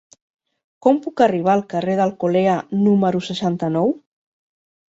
Com puc arribar al carrer d'Alcolea número seixanta-nou?